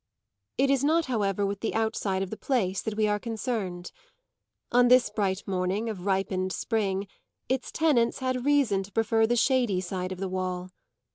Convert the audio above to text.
It is not, however, with the outside of the place that we are concerned; on this bright morning of ripened spring its tenants had reason to prefer the shady side of the wall.